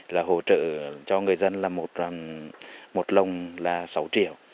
là hỗ trợ cho người dân là một lồng là sáu triệu